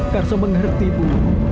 karso mengerti bu